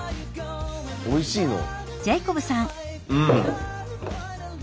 おいしいの？